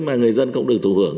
mà người dân không được thủ hưởng